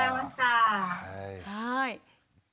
はい。